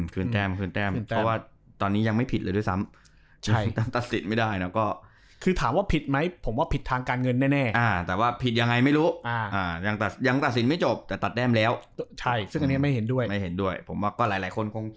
คืนแต้มเพราะว่าตอนนี้ยังไม่ผิดเลยด้วยซ้ำ